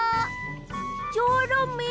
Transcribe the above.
チョロミー